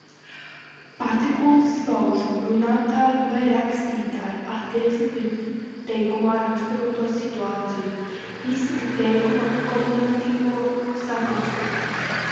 Partikulas pauž runātāja vai rakstītāja attieksmi pret teikumā raksturoto situāciju, izsaka teikuma komunikatīvo statusu.